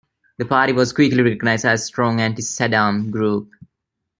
The party was quickly recognized as a strong anti-Saddam group.